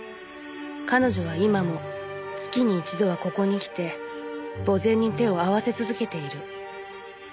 「彼女は今も月に一度はここに来て墓前に手を合わせ続けている」